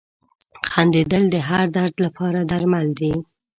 • خندېدل د هر درد لپاره درمل دي.